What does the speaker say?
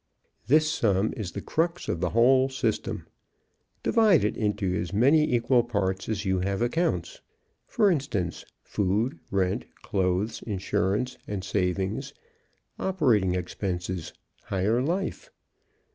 This sum is the crux of the whole system. Divide it into as many equal parts as you have accounts. For instance, Food, Rent, Clothes, Insurance and Savings, Operating Expenses, Higher Life.